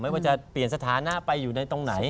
ว่าจะเปลี่ยนสถานะไปอยู่ในตรงไหน